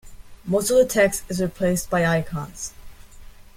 Most of the text is replaced by icons.